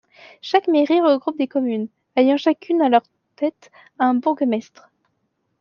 Chaque mairie regroupe des communes, ayant chacune à leur tête un bourgmestre.